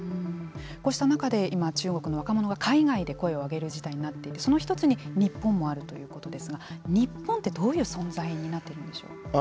こうした中で今中国の若者が海外で声を上げる事態になっていてその１つに日本もあるということですが日本ってどういう存在になっているんでしょうか？